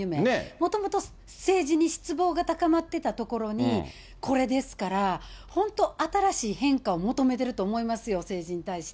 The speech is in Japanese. もともと政治に失望が高まってたところにこれですから、本当、新しい変化を求めてると思いますよ、政治に対して。